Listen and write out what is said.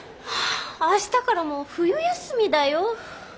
はあ明日からもう冬休みだよ。